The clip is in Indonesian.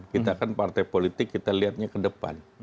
kita kan partai politik kita lihatnya ke depan